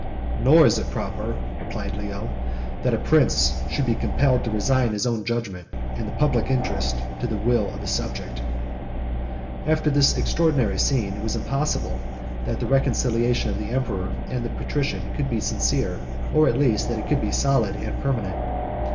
"Nor is it proper, (replied Leo,) that a prince should be compelled to resign his own judgment, and the public interest, to the will of a subject."69 After this extraordinary scene, it was impossible that the reconciliation of the emperor and the patrician could be sincere; or, at least, that it could be solid and permanent.